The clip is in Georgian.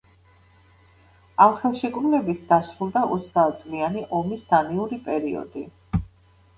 ამ ხელშეკრულებით დასრულდა ოცდაათწლიანი ომის დანიური პერიოდი.